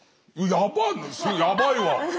やばいわ。